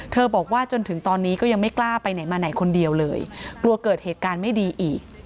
บอกว่าจนถึงตอนนี้ก็ยังไม่กล้าไปไหนมาไหนคนเดียวเลยกลัวเกิดเหตุการณ์ไม่ดีอีก